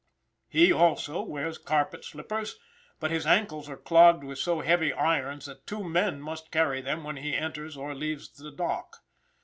He also wears carpet slippers, but his ankles are clogged with so heavy irons that two men must carry them when he enters or leaves the dock.